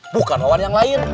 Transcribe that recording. bukan wawan yang lain